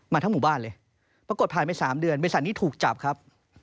ทั้งหมู่บ้านเลยปรากฏผ่านไป๓เดือนบริษัทนี้ถูกจับครับ